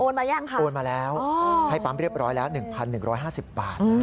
มายังคะโอนมาแล้วให้ปั๊มเรียบร้อยแล้ว๑๑๕๐บาท